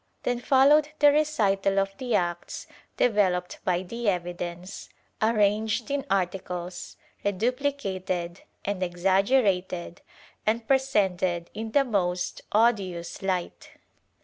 Then followed the recital of the acts developed by the evidence, arranged in articles, reduplicated and exaggerated and presented in the most odious light.